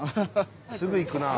すぐ行くなあ。